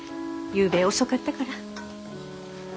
ゆうべ遅かったから。